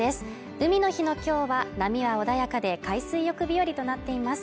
海の日の今日は、波は穏やかで海水浴日和となっています。